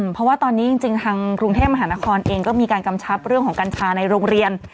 เพราะว่าตอนนี้จริงทางกรุงเทพมหานครเองก็มีการกำชับเรื่องของกัญชาในโรงเรียน